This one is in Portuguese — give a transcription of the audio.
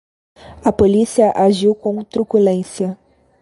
A polícia agiu com truculência